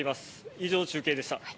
以上、中継でした。